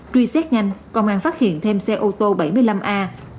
truy xét nhanh công an phát hiện thêm xe ô tô bảy mươi năm a một mươi bảy nghìn bảy mươi tám